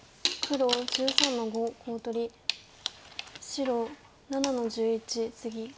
白７の十一ツギ。